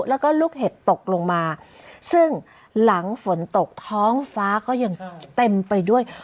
แล้วก็ลูกเห็บตกลงมาซึ่งหลังฝนตกท้องฟ้าก็ยังเต็มไปด้วย